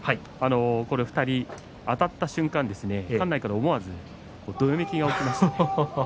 ２人あたった瞬間館内から思わずどよめきが起きました。